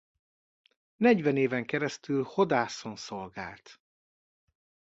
Negyven éven keresztül Hodászon szolgált.